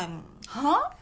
はあ？